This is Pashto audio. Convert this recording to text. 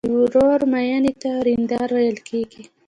د ورور ماینې ته وریندار ویل کیږي.